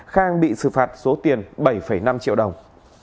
khang bị xử phạt số tiền bảy năm triệu đồng